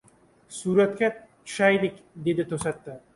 — Suratga tushaylik, — dedi to‘satdan.